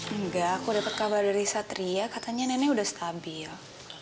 enggak aku dapat kabar dari satria katanya nenek udah stabil